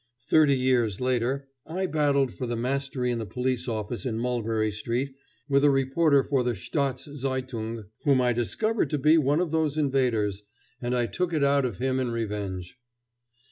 Thirty years later I battled for the mastery in the police office in Mulberry Street with a reporter for the Staats Zeitung whom I discovered to be one of those invaders, and I took it out of him in revenge.